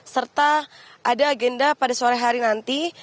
serta ada agenda pada sore hari nanti